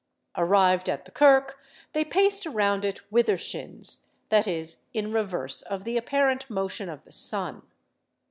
Arrived at the kirk, they paced around it withershins, that is, in reverse of the apparent motion of the sun.